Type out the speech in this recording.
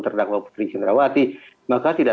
terdakwa putri cendrawati maka tidak